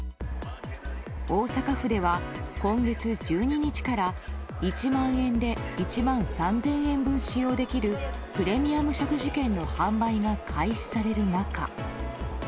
大阪府では今月１２日から１万円で１万３０００円分使用できるプレミアム食事券の販売が開始される中。